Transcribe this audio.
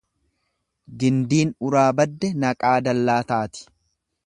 Gindiin uraa badde naqaa dallaa taati.